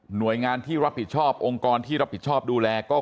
หน่วยงานที่รับผิดชอบองค์กรที่รับผิดชอบดูแลก็